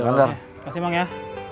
kasih emang ya